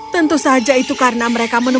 tentu saja itu karena mereka menunggu